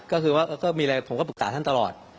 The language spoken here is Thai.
ก็คือว่าก็มีอะไรผมก็ปรึกษาท่านตลอด